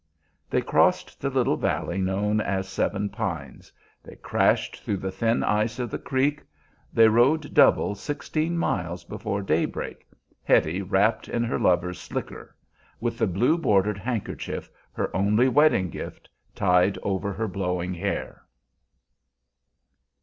They crossed the little valley known as Seven Pines; they crashed through the thin ice of the creek; they rode double sixteen miles before daybreak, Hetty wrapped in her lover's "slicker," with the blue bordered handkerchief, her only wedding gift, tied over her blowing hair.